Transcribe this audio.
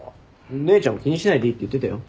姉ちゃんも気にしないでいいって言ってたよ。